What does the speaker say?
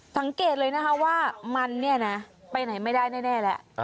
สังเกตเลยนะคะว่ามันเนี่ยนะไปไหนไม่ได้แน่แล้ว